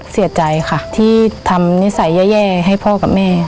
เสียใจค่ะที่ทำนิสัยแย่ให้พ่อกับแม่